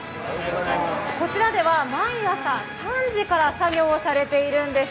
こちらでは、毎朝３時から作業されているんです。